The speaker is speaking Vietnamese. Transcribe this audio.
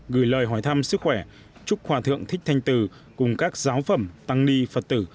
gửi lời hỏi thăm sức khỏe chúc hòa thượng thích thanh từ cùng các giáo phẩm tăng ni phật tử